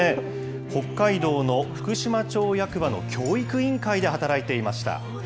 北海道の福島町役場の教育委員会で働いていました。